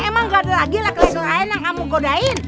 emang gak ada lagi lah kelas lain yang kamu godain